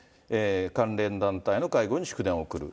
関連団体の会合に祝電を送る。